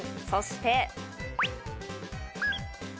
そして。